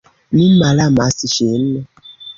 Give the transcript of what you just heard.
Mi malamas ŝin.